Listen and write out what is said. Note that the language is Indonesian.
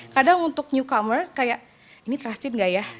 kadang untuk newcomer kayak ini trust in nggak ya